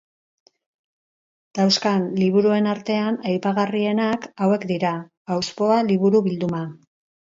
Dauzkan liburuen artean aipagarrienak hauek dira: Auspoa liburu-bilduma.